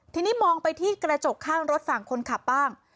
ทีนี้มองไปที่กระจกข้างรถฝั่งคนขับบ้าง